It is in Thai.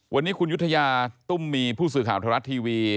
วันนี้คุณยุธยาตุ้มมีผู้สื่อข่าวธรรมรัฐทีวี